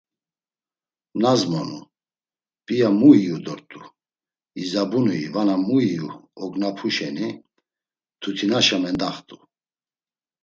Nazmonu, p̌iya mu iyu dort̆u, izabunui vana mu iyu ognapu şeni mtutinaşa mendaxt̆u.